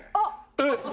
えっ！？